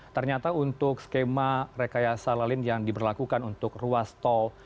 ternyata untuk skema rekayasa lalim yang diberlakukan untuk ruas tol